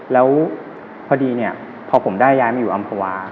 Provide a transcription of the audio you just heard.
แล้วพอดีเนี่ยพอผมได้ย้ายมาอยู่อำภาวา